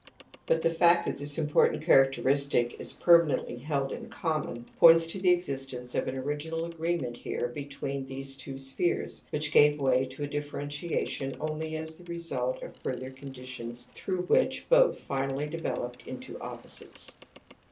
But the fact that this important characteristic is permanenily held in common points to the existence of an original agreement here between these two spheres which gave way to a differentiation only as the result of further conditions through which both finally developed into opposites.